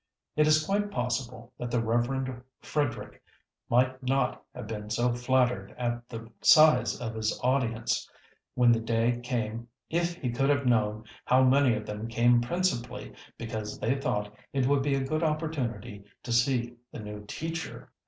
It is quite possible that the Reverend Frederick might not have been so flattered at the size of his audience when the day came if he could have known how many of them came principally because they thought it would be a good opportunity to see the new teacher.